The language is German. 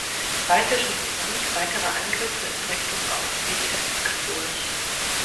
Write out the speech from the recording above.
Baltischen Front weitere Angriffe in Richtung auf Witebsk durch.